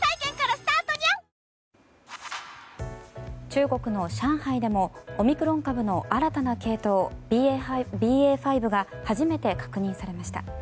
中国の上海でもオミクロン株の新たな系統ＢＡ．５が初めて確認されました。